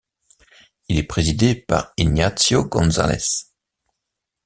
Il est présidé par Ignacio González.